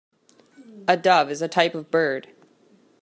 A Dove is a type of bird.